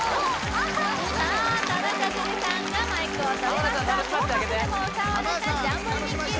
さあ田中樹さんがマイクを取りました紅白でも歌われた「ジャンボリミッキー！」